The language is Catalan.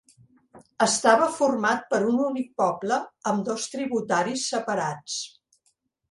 Estava format per un únic poble, amb dos tributaris separats.